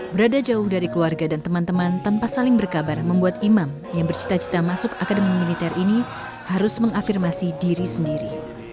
berada jauh dari keluarga dan teman teman tanpa saling berkabar membuat imam yang bercita cita masuk akademi militer ini harus mengafirmasi diri sendiri